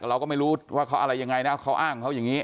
เราก็ไม่รู้ว่าเขาอะไรยังไงนะเขาอ้างเขาอย่างนี้